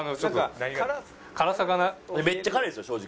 めっちゃ辛いですよ正直。